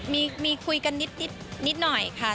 มีคุยกันนิดหน่อยค่ะ